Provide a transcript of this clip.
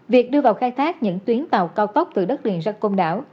việc đưa vào khai thác những tuyến tàu cao tốc từ đất liền ra công đảo